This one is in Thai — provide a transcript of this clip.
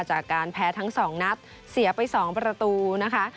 จากการแพ้ทั้งสองนัดเสียไป๒ประตูนะคะ